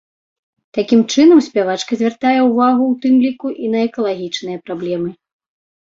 Такім чынам спявачка звяртае ўвагу ў тым ліку і на экалагічныя праблемы.